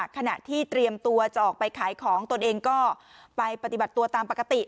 ขณะที่เตรียมตัวจะออกไปขายของตนเองก็ไปปฏิบัติตัวตามปกติ